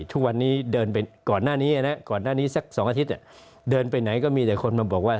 ทุกวันนี้เดินไปก่อนหน้านี้แสกสองอาทิตย์เดินไปไหนก็มีแต่คนมาบอกว่า